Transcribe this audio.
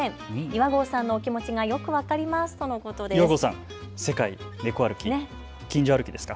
岩合さんのお気持ちがよく分かりますとのことです。